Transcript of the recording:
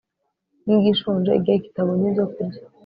nkigishonje igihe kitabonye ibyokurya